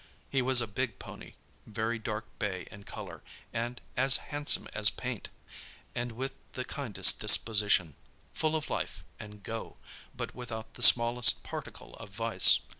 He was a big pony, very dark bay in colour, and "as handsome as paint," and with the kindest disposition; full of life and "go," but without the smallest particle of vice.